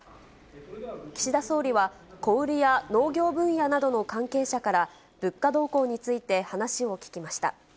岸田総理は、小売りや農業分野などの関係者から、物価動向について話を聞きました。